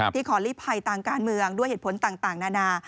ขอลีภัยทางการเมืองด้วยเหตุผลต่างนานา